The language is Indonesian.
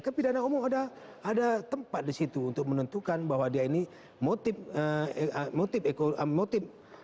kan pidana umum ada tempat di situ untuk menentukan bahwa dia ini motif